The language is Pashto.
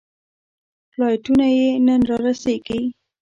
فلایټونه یې نن رارسېږي.